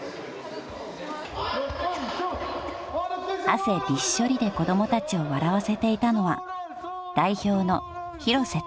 ［汗びっしょりで子供たちを笑わせていたのは代表の廣瀬貴樹さん］